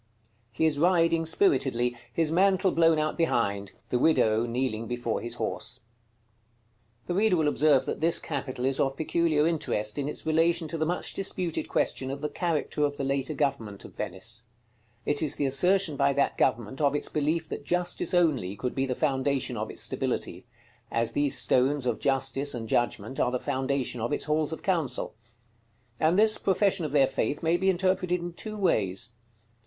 He is riding spiritedly, his mantle blown out behind: the widow kneeling before his horse. § CXXVIII. The reader will observe that this capital is of peculiar interest in its relation to the much disputed question of the character of the later government of Venice. It is the assertion by that government of its belief that Justice only could be the foundation of its stability; as these stones of Justice and Judgment are the foundation of its halls of council. And this profession of their faith may be interpreted in two ways.